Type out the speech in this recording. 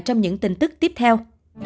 trong những tin tức tiếp theo